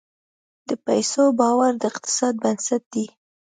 د پیسو باور د اقتصاد بنسټ دی.